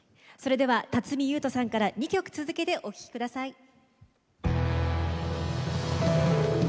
それでは辰巳ゆうとさんから２曲続けてお聴きください。